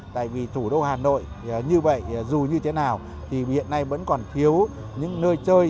tại vì thủ đô hà nội như vậy dù như thế nào thì hiện nay vẫn còn thiếu những nơi chơi